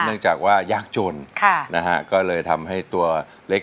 เนื่องจากว่ายากจนค่ะนะฮะก็เลยทำให้ตัวเล็ก